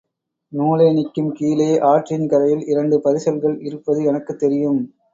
நூலேணிக்கும் கீழே ஆற்றின் கரையில் இரண்டு பரிசல்கள் இருப்பது எனக்குத் தெரியும்.